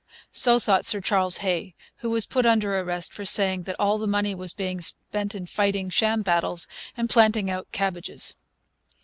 So thought Sir Charles Hay, who was put under arrest for saying that all the money was being spent in fighting sham battles and planting out cabbages.